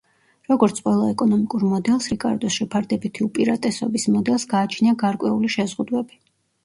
როგორც ყველა ეკონომიკურ მოდელს, რიკარდოს შეფარდებითი უპირატესობის მოდელს გააჩნია გარკვეული შეზღუდვები.